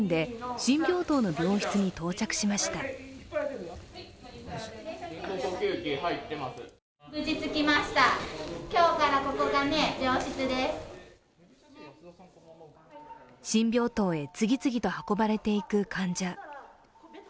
新病棟へ次々と運ばれていく患者。